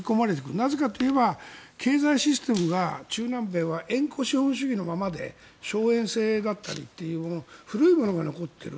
なぜかといえば経済システムが中南米は縁故資本主義のままで荘園制だったり古いものが残っている。